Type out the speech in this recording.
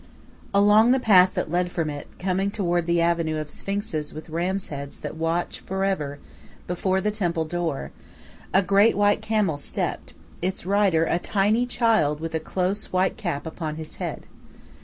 Along the path that led from it, coming toward the avenue of sphinxes with ram's heads that watch for ever before the temple door, a great white camel stepped, its rider a tiny child with a close, white cap upon his head.